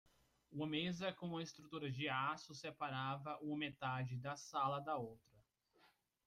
Uma mesa com estrutura de aço separava uma metade da sala da outra.